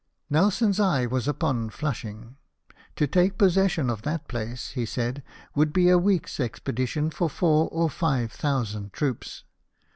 Nelson's eye was upon Flushing. '' To take pos session of that place," he said, "would be a week's expedition for four or five thousand troops."